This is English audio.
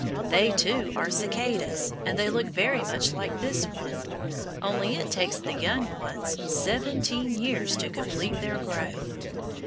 They, too, are cicadas, and they look very much like this one, only it takes the young ones seventeen years to complete their growth.